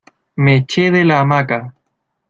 me eché de la hamaca.